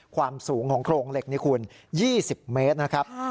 ความสูงของโครงเหล็กนี่คุณ๒๐เมตรนะครับ